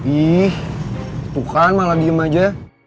ih tuh kan malah diem aja